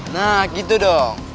nah gitu dong